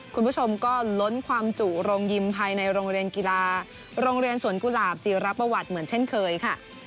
คุณผู้ชมก็ล้นความจุโรงยิมภายในโรงเรียนกีฬาโรงเรียนสวนกุหลาบจีรประวัติเหมือนเช่นเคยค่ะ